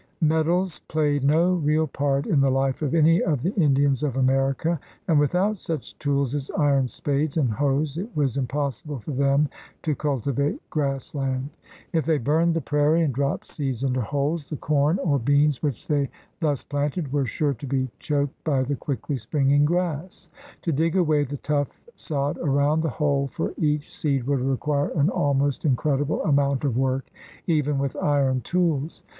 Metals played no real part in the life of any of the Indians of America, and without such tools as iron spades and hoes it was impossible for them to cultivate grass land. If they burned the prairie and dropped seeds into holes, the corn or beans which thev thus 152 THE RED MAN'S CONTINENT planted were sure to be choked by the quickly springing grass. To dig away the tough sod around the hole for each seed would require an almost incredible amount of work even with iron tools.